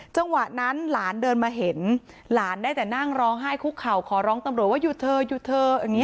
จังหวะนั้นหลานเดินมาเห็นหลานได้แต่นั่งร้องไห้คุกเข่าขอร้องตำรวจว่าหยุดเธอหยุดเธออย่างนี้